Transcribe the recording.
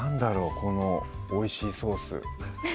このおいしいソース